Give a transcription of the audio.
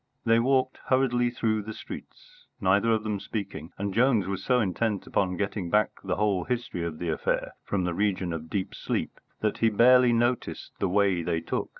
They walked hurriedly through the streets, neither of them speaking; and Jones was so intent upon getting back the whole history of the affair from the region of deep sleep, that he barely noticed the way they took.